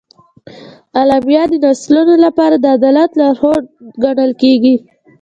اعلامیه د نسلونو لپاره د عدالت لارښود ګڼل کېږي.